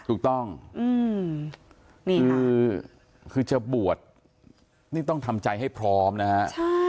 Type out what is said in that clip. ถูกต้องนี่คือจะบวชนี่ต้องทำใจให้พร้อมนะฮะ